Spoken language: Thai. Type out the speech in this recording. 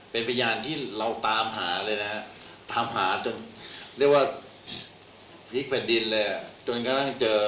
เป็นพยานที่เราตามหาเลยนะฮะตามหาจนเรียกว่าพลิกไปดินเลยอ่ะ